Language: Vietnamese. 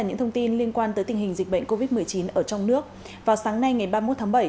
những thông tin liên quan tới tình hình dịch bệnh covid một mươi chín ở trong nước vào sáng nay ngày ba mươi một tháng bảy